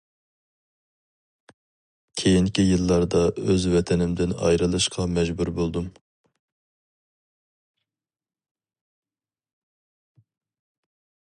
كېيىنكى يىللاردا ئۆز ۋەتىنىمدىن ئايرىلىشقا مەجبۇر بولدۇم .